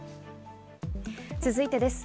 続いてです。